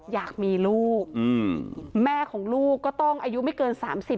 อยากมีลูกแม่ของลูกก็ต้องอายุไม่เกิน๓๐